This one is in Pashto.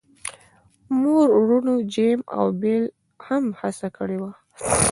مور وروڼو جیم او بیل هم هڅه کړې وه